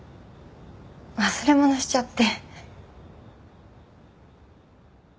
忘れ物しちゃって。